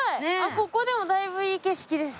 ここでもだいぶいい景色です。